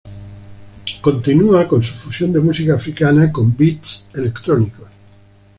Continúa con su fusión de música africana con beats electrónicos.